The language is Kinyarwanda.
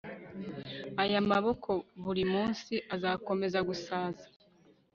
aya maboko buri munsi azakomeza gusaza